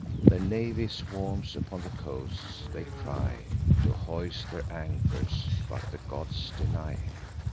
Their navy swarms upon the coasts; they cry To hoist their anchors, but the gods deny.